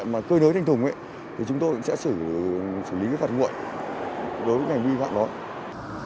nếu như đủ căn cứ đối với những phương tiện cơ nới thành thục thì chúng tôi sẽ ghi nhận lại việc bây giờ phương tiện không chấp hành